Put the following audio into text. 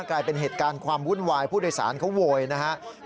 กลายเป็นเหตุการณ์ความวุ่นวายผู้โดยสารเขาโวยนะครับ